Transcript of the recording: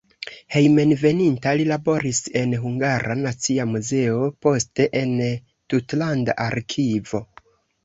Hejmenveninta li laboris en Hungara Nacia Muzeo, poste en tutlanda arkivo.